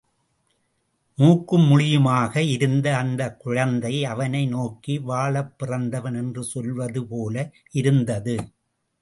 மூக்கும் முழியுமாக இருந்த அந்தக் குழந்தை அவனை நோக்கி வாழப்பிறந்தவன் என்று சொல்வது போல இருந்தது.